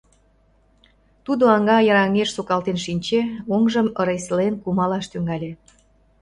Тудо аҥа йыраҥеш сукалтен шинче, оҥжым ыреслен кумалаш тӱҥале.